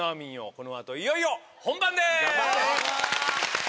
この後いよいよ本番です！